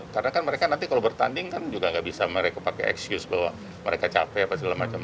karena kan mereka nanti kalau bertanding kan juga nggak bisa mereka pakai excuse bahwa mereka capek atau segala macam